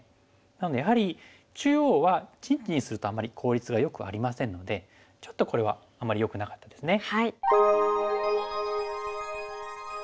なのでやはり中央は陣地にするとあんまり効率がよくありませんのでちょっとこれはあんまりよくなかったですね。